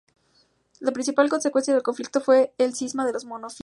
La principal consecuencia del Concilio fue el cisma de los monofisitas.